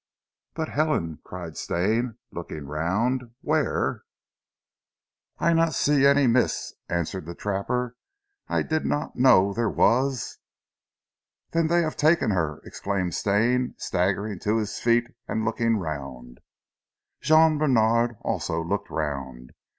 "But Helen?" cried Stane, looking round. "Where " "I haf seen not any mees!" answered the trapper. "I did not know dat dere was " "Then they have taken her," exclaimed Stane, staggering to his feet, and looking round. Jean Bènard also looked round.